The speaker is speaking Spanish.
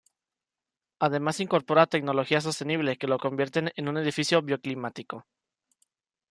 Además incorpora tecnología sostenible que lo convierten en un edificio bioclimático.